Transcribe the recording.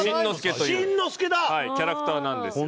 キャラクターなんですよね。